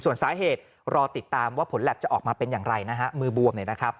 ส่วนสาเหตุรอติดตามว่าผลแพ็บจะออกมาเป็นอย่างไรนะฮะมือบวมเนี่ยนะครับ